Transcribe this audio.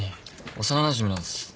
幼なじみなんです。